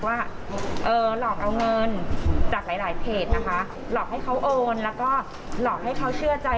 ว่าหลอกเอาเงินจากหลายหลายเพจนะคะหลอกให้เขาโอนแล้วก็หลอกให้เขาเชื่อใจ